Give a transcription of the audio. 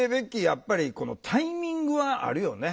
やっぱりこのタイミングはあるよね。